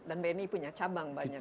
dan bni punya cabang banyak